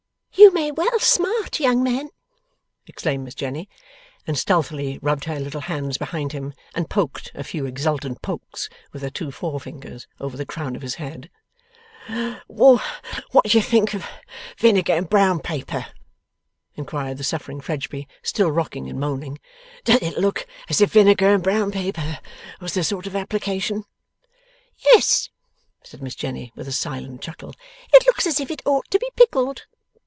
'You may well smart, young man!' exclaimed Miss Jenny. And stealthily rubbed her little hands behind him, and poked a few exultant pokes with her two forefingers over the crown of his head. 'What do you think of vinegar and brown paper?' inquired the suffering Fledgeby, still rocking and moaning. 'Does it look as if vinegar and brown paper was the sort of application?' 'Yes,' said Miss Jenny, with a silent chuckle. 'It looks as if it ought to be Pickled.